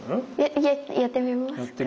えやってみますか？